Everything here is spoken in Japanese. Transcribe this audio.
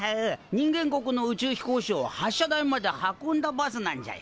人間国の宇宙飛行士を発射台まで運んだバスなんじゃよ。